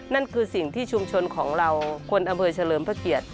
นั่นคือสิ่งที่ชุมชนของเราคนอำเภอเฉลิมพระเกียรติ